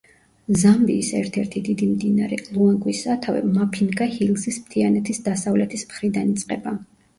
ზამბიის ერთ-ერთი დიდი მდინარე ლუანგვის სათავე მაფინგა ჰილზის მთიანეთის დასავლეთის მხრიდან იწყება.